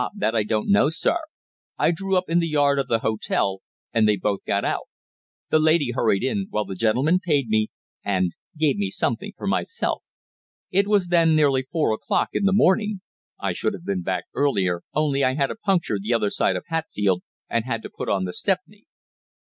that I don't know, sir. I drew up in the yard of the hotel, and they both got out. The lady hurried in, while the gentleman paid me, and gave me something for myself. It was then nearly four o'clock in the morning. I should have been back earlier, only I had a puncture the other side of Hatfield, and had to put on the 'Stepney.'"